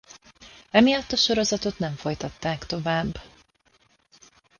Emiatt a sorozatot nem folytatták tovább.